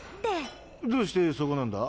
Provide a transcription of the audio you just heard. どうしてそこなんだ？